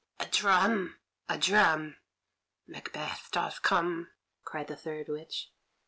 "A drum, a drum! Macbeth doth come!" cried the third witch.